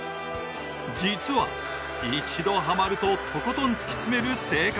実は、一度はまるととことん突き詰める性格。